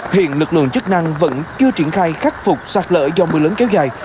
hiện lực lượng chức năng vẫn chưa triển khai khắc phục sạt lỡ do mưa lớn kéo dài